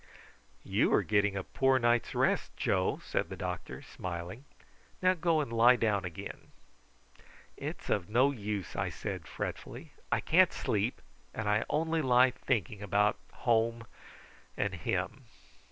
"You are getting a poor night's rest, Joe," said the doctor smiling. "Now go and lie down again." "It is of no use," I said fretfully. "I can't sleep, and I only lie thinking about home and him.